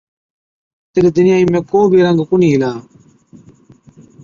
تِڏ دُنِيائِي ۾ ڪو بِي رنگ ڪونهِي هِلا۔